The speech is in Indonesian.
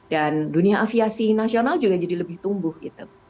dan dunia aviasi nasional juga jadi lebih tumbuh gitu